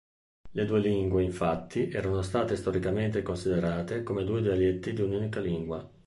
Le due lingue, infatti, erano state storicamente considerate come due dialetti di un'unica lingua.